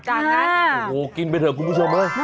โอ้โฮกินไปเถอะคุณผู้ชม